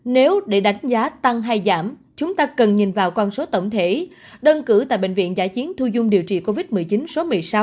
nếu để đánh giá tăng hay giảm chúng ta cần nhìn vào con số tổng thể đơn cử tại bệnh viện giải chiến thu dung điều trị covid một mươi chín số một mươi sáu